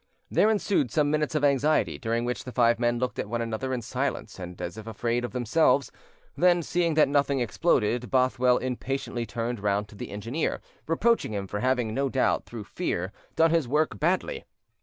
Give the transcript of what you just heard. There ensued some minutes of anxiety, during which the five men looked at one another in silence and as if afraid of themselves; then, seeing that nothing exploded, Bothwell impatiently turned round to the engineer, reproaching him for having, no doubt through fear, done his work badly.